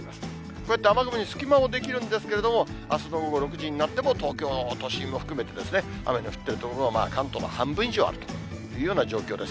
こういった雨雲に隙間も見えるんですけれども、あすの午後６時になっても、東京都心を含めて雨の降ってる所が関東の半分以上あるというような状況です。